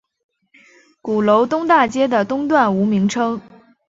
鼓楼东大街的东段无名称。